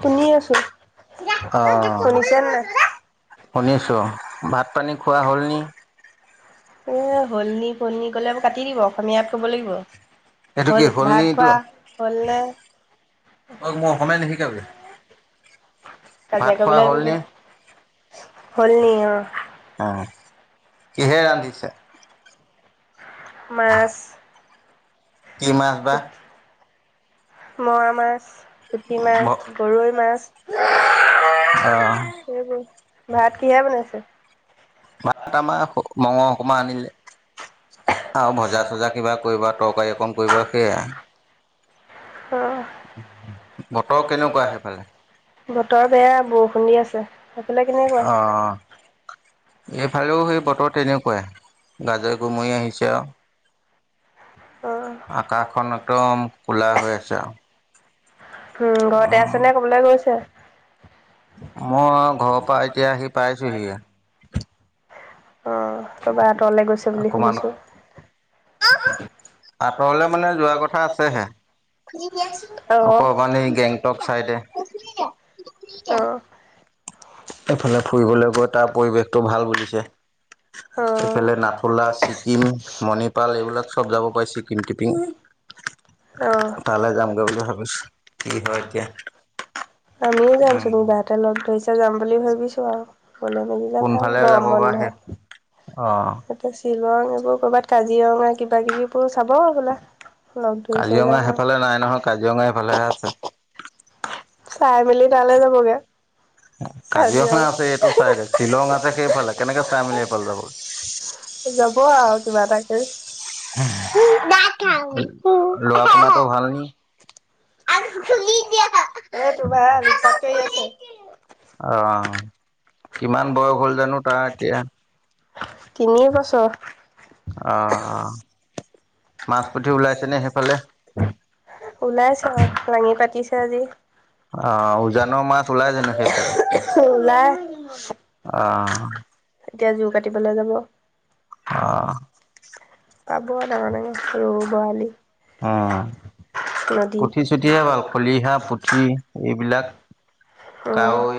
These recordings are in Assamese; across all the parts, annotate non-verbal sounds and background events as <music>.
শুনি আছো শুনিছ নে নাই। অ', হলনি-হলনি, গ'লে আকৌ কাটি দিব অসমীয়াত ক'ব লাগিব। হল ভাত খোৱা হ'ল নে কাজিয়া কৰিবলে হ'ল নি অ', কিহে ৰান্ধিছা। মাছ। কি মাছ বা? অহ ভাত আমাৰ মঙৰ অকমা আনিলে আৰু ভজা চজা কিবা কৰিব তৰকাৰী অকণ কৰিব সেইয়াই। অ' বতৰ বেয়া বৰষুণ দি আছে সেফালে কেনে কোৱা? এইফালেও সেই বতৰ তেনেকুৱাই। গাজৰি গোমৰি আহিছে আৰু। আকাশখন একদম কোলা হৈ আছে আৰু। মই ঘৰৰ পৰা এতিয়া আহি পাইছোহি। অহ', কবা আঁতৰলে গৈছে বুলি শুনিছো অহ-অহ। এইফালে ফুৰিবলৈ গৈ তাৰ পৰিৱেশটো ভাল বুলিছে। অ' অহ আমি যাম চোন কিবা এতে লগ ধৰিছা যাম। বুলি ভাবিছো আৰু। গল মেলিলে ভাল গৰম বন্ধ। আহ শ্বিলং এইবোৰ কৰ'বাত কাজিৰঙা কিবা কিবোৰ চাব আৰু বোলা কাজিৰঙা সেইফালে নাই নহয়, কাজিৰঙা এফালেহে আছে। চাই মেলি তালৈ যাবগে কাজিৰঙা আছে এইটো চাইড, শ্বিলং আছে সেইফালে, কেনেকে চাই মেলি সেইফালে যাব? কোৱা আৰু কিবা এটাকে আহ মাছ কিটি ওলাইছে নে? ওলাইছে অ দাঙি পাতিছে আজি, ওলায় <inaudible> এতিয়া জোৰ কাটিবলৈ যাব। আহ পাব ডাঙৰ-ডাঙৰ। ৰৌ, বোৱালি উম পুঠি-চুঠিহে ভাল, খলিহা, পুঠি, এইবিলাক কাৱৈ,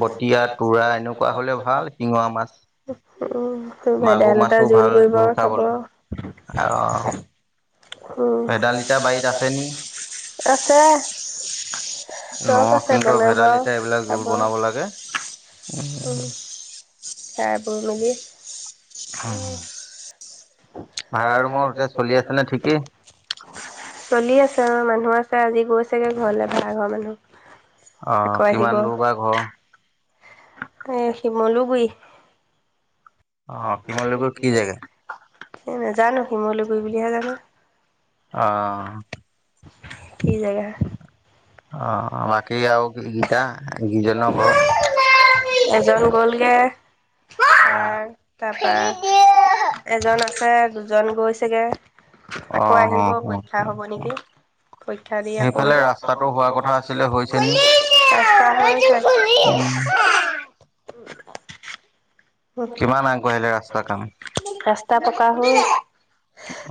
বতিয়া, তোৰা, এনেকুৱা হলে ভাল শিঙৰা মাছ, মাগুৰ মাছো ভাল জোল বলে, আহ উম, আছে, চব আছে বনাব, খাব, উম <inaudible> <inaudible> অ ভাড়া ৰুমৰ এতিয়া চলি আছে নে ঠিকেই? মানুহ আছে আজি গৈছেগে ঘৰলে, ভাড়া ঘৰ মানুহ। অ কিমান দূৰ বা ঘৰ? এ শিমলো গৈ নাজানো <unintelligible> গৈ বুলিহে জানো। অ' কি জাগা? এজন গলগে, তাৰ তাৰপা এজন আছে দুজন গৈছেগে আকৌ আহিব পৰীক্ষা হব নেকি, পৰীক্ষা দি আকৌ, ৰাস্তাটো ৰাস্তা কিমান আগবাঢ়িলে ৰাস্তাৰ কাম?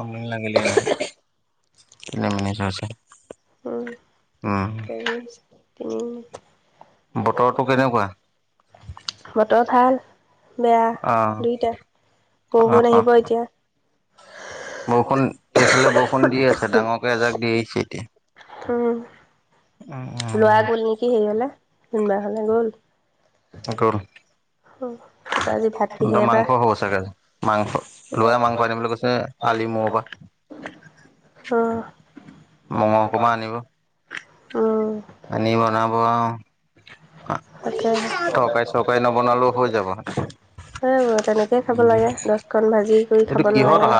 আমনি লাগিলে তিনি মিনিট হৈছে উম কেনি হৈছে তিনি বতৰ টো কেনে? বতৰ ভাল বেয়া দুইটা বৰষুন আহিব এতিয়া। বৰষুণ এইফালে বৰষুণ দি আছে ডাঙৰকে এজাক দি আহিছে এতিয়া উম লোৱা গ'ল নেকি হেৰিঅ'লে? কোনবা ফালে গ'ল? গ'ল ত মাংস হ'ব চাগে মাংস লোৱাই মাংস আনিবলৈ কৈছে আলি মূৰৰ পৰা। মহ অকণমান আনিব <unintelligible> বনাব আৰু তাকেহে, হয় নে বাৰু, তেনেকেই খাব লাগে দহখন ভাজি কৰি খাব নালাগে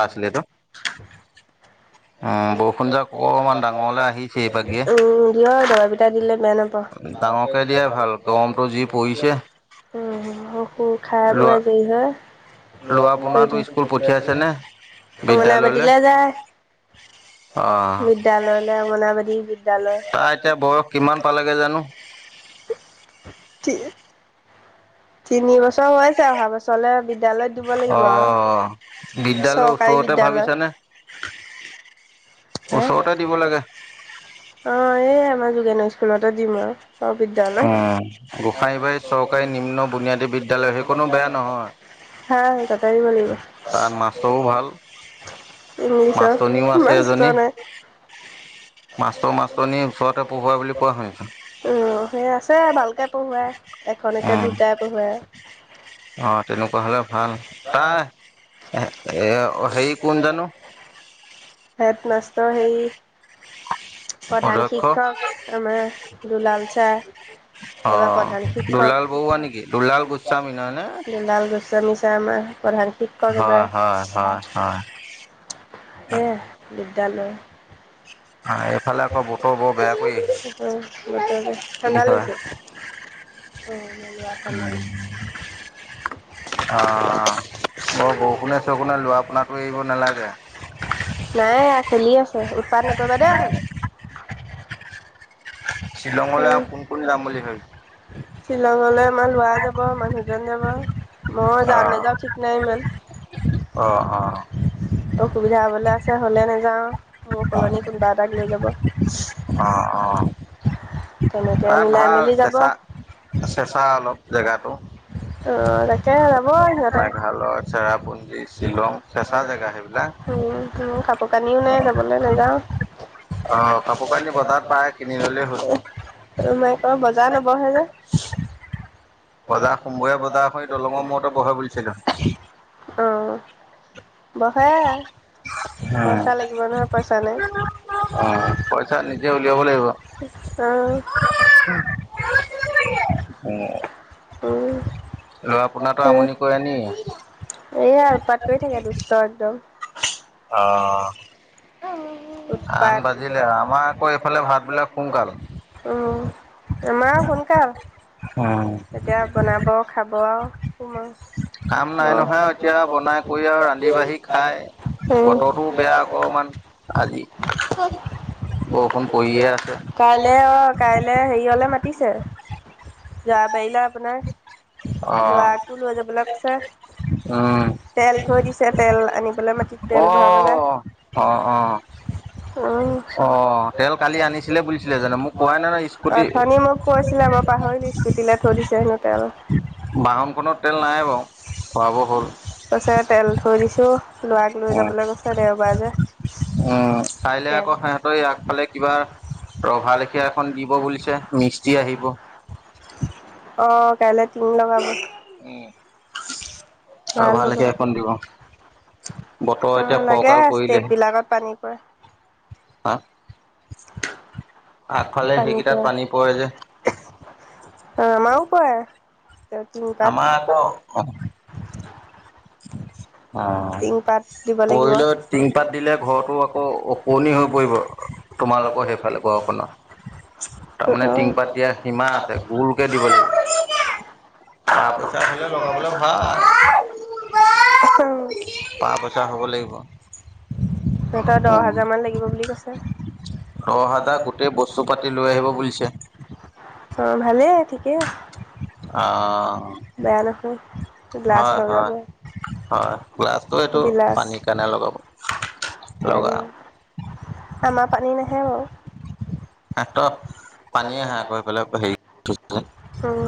উম, হয়, দবা-পিটা দিলে বেয়া নাপাওঁ। <inaudible> থ অমনা পাতিলে যায় অ', তাৰ এতিয়া বয়স কিমান পালেগে জানো? কি? তিনি বছৰ হৈছে, অহা বছৰলৈ বিদ অ', বিদ্যালয়ৰ ওচৰতে ভাবিছানে? ওচৰতে দিব লাগে। অই এই আমাৰ যোগেন স্কুলতে দিম আৰু অ', গোসাইবাৰীত চৰকাৰী নিম্ন বুনিয়াদী বিদ্যালয় সেইকণো বেয়া নহয় তাত মাষ্টৰো ভাল মাষ্টনীও আছে এজনী মা <unintelligible> মাষ্টৰনি ওচৰতে পোহোৱা বুলি কোৱা হয়। এ ভালকে পঢ়ুৱায় এখনকে দুটাই পঢ়ুৱায় অ', তেনেকুৱা হ'লে ভাল তাই হেৰি কোন জানো? টেট মাষ্টাৰ হেৰি প্ৰধান শিক্ষক আমাৰ দুলাল ছাৰ এইবাৰ প্ৰধান শিক্ষক গলাল গৈছে আমি চাই আমাৰ প <unintelligible> হয় হয় হয় হয় হে বিদ্যালয় এইফালে আকৌ বতৰ বৰ বেয়া কৰি আহিছে। তুমি ধৰা অ বৰ বৰষুণে চৰকুণে লোৱা পোনা কৰি আহিব নালাগে পাত নকৰিবা দে হোন উ শ্বিলঙলে আমাৰ লৰা যাব মানুহজন যাব আহঁ অ অ লা ছা হ'লে নেযাওঁ মোৰ সলনি কোনোবা এটাক লৈ যাব <unintelligible> অ অ তেনেকে মিলাই মেলি যাব অহ তাকে যাব সিহঁতে চেৰাপুঞ্জি শ্বিলং চেঁচা জেগা সেইবিলাক অ, অ কাপোৰ তৰ মাই ক বজাৰ নবহে যে? বজাৰ সোমবৰিয়া বজাৰখন সেই দলঙৰ মূৰতে বহে বুলিছিলো বহে পইচা লাগিব নহয় পইচা নাই অ। অ মা উম অহ উম লৰা'পোনাটো আমনি কৰে নি? এইয়া উৎপাত কৰি থাকে দুষ্ট একদম। অ' উৎপাত উ'ম। আমাৰ আৰু সোনকাল এতিয়া বনাব খাব আৰু শুম আৰু কাম নাই নহয় এতিয়া বনাই কৰি আৰু ৰান্ধি বাঢ়ি খায় বতৰটোও বেয়া অকণমান কাইলে অ', কাইলে হেৰি হলে মাতিছে। যোৱা বেলিলৈ আপোনাৰ জোৱাকো লৈ যাবলৈ কছে, তেল থৈ দিছে তেল আনিবলৈ মাটিত, তেল ভৱাবলৈ উ'ম অথনি মোক কৈছিলে, মই পাহৰিলো, স্কুটিলৈ থৈ দিছে হেনো তেল। সচাই তেল থৈ দিছে। উহ। ল'ৰাক লৈ যাবলৈ কৈছে দেওবাৰে যে। উম কাইলে আকৌ সিহঁতৰ আগফালে কিবা ৰভা লেখীয়া এখন দিব বুলিছে, মিস্তি আহিব। অ কাইলে নি লগাব। অ' ভালকে এখন দিব। অ' লাগে ষ্টেপ বিলাকত পানী পয়ে, পানী পয়ে অ আমাৰো পৰে। আমাৰ আকৌ অ পৰহিলৈ টিং পাত দিলে ঘৰটো আকৌ অ কুৱনি হৈ পৰিব তোমালোকৰ সেইফালে ঘৰখনৰ, তাৰমানে টিং পাত দিয়া সীমা আছে গোলকে দিব লাগিব। বা পইচা হ'লে, লগাবলৈ ভাল। পা পইচা হ'ব লাগিব। দহ হাজাৰ গোটেই বস্তু পাতি লৈ আহিব বুলিছে। অ' ভালে ঠিকে আছে। আহ। হয়', হয়', হয়', গ্লাছটো এইটো পানীৰ কাৰণে লগাব। লগাওক আমাৰ পানী নাহে বাৰু। <unintelligible> উম।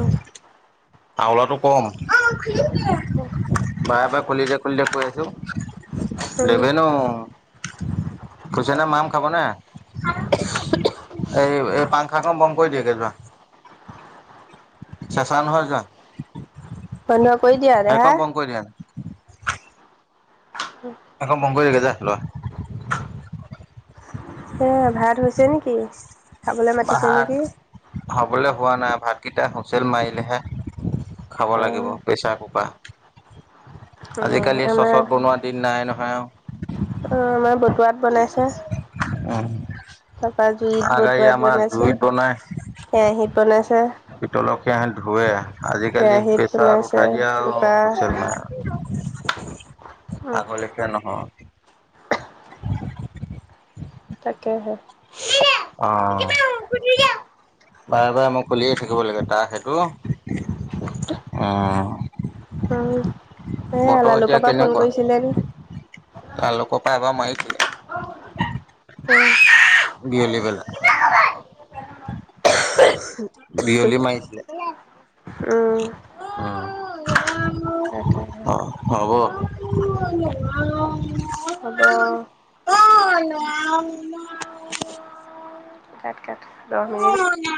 হাবাটো কম। বাৰে-বাৰে খুলি দে, খুলি দে কৈ আছে অ'দেবেন অ' খুছনে মাম খাবনে? এই এই পাঙ্খা খন বন্ধ কৰি দিয়াগে যোৱা, চেঁচা নহয় যোৱা। <inaudible> কৰি দিয়া দেহা। ফেনখন বন্ধ কৰি দে যা অলপ। সে ভাত হ'বলে হোৱা নাই, ভাতকেইটা হুচেল মাৰিলেহে। খাব লাগিব, প্ৰেছাৰ কুকাৰ। অ', আমাৰ, অ', আমাৰ বতুৱাত অ'। তাপা জুইত বতোৱাত বনাইছো, কেৰাহীত বনাইছে। পিতলৰ কেৰাহী ধোৱে, আজিকালি প্ৰেছাৰত উঠাই দিয়াও হৈছে মাৰা। আগলৈকে নহয়। তাকেহে। অ'হ বাৰে বাৰে মই খুলিয়ে থাকিব লাগে তাৰ সেইটো, অ'হ বতৰ এতিয়া কেনেকুৱা? তালোকৰ পৰা এবাৰ মাৰিছিলে। <unintelligible> উ'ম। বিয়লি বেলা। বিয়লি মাৰিছিলে। অ'। তাকেহে। <unintelligible> দহ মিনিট